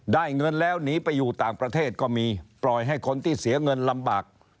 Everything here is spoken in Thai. ได้เงินแล้วหนีไปอยู่ต่างประเทศก็มีปล่อยให้คนที่เสียเงินลำบาก